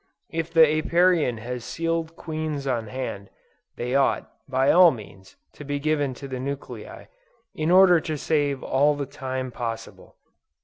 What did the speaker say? If the Apiarian has sealed queens on hand, they ought, by all means, to be given to the nuclei, in order to save all the time possible.